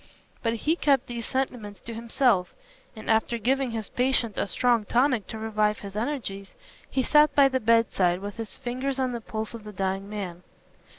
But he kept these sentiments to himself, and after giving his patient a strong tonic to revive his energies, he sat by the bedside with his fingers on the pulse of the dying man.